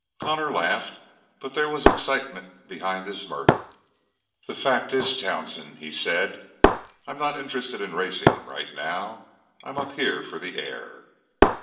Connor laughed, but there was excitement behind his mirth. "The fact is, Townsend," he said, "I'm not interested in racing now. I'm up here for the air."